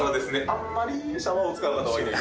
あんまりシャワーを使う方はいない。